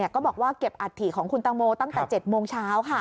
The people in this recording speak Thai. ก็บอกว่าเก็บอัฐิของคุณตังโมตั้งแต่๗โมงเช้า